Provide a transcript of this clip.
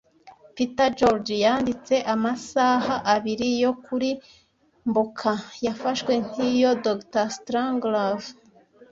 Peter George yanditse Amasaha abiri yo kurimbuka yafashwe nkicyo Dr Strangelove